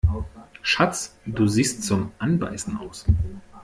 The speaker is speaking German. Schatz, du siehst zum Anbeißen aus!